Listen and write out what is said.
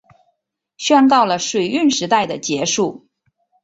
宣告了水运时代的结束